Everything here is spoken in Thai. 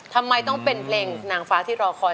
ทำไมต้องเป็นเพลงนางฟ้าที่รอคอย